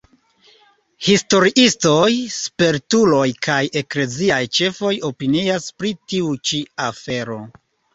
Historiistoj, spertuloj kaj ekleziaj ĉefoj opinias pri tiu ĉi afero.